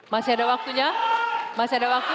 masih ada waktunya masih ada waktu